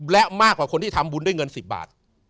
และมากกว่าคนที่ทำบุญด้วยเงิน๑๐บาท